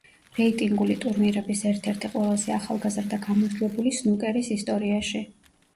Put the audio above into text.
რეიტინგული ტურნირების ერთ-ერთი ყველაზე ახალგაზრდა გამარჯვებული სნუკერის ისტორიაში.